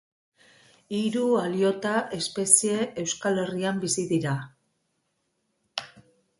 Hiru aliota espezie Euskal Herrian bizi dira.